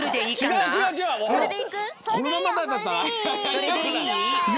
それでいいよ